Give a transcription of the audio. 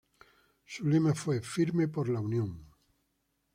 Su Lema fue "Firme por la Unión".